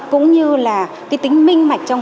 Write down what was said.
cũng như là cái tính minh mạch trong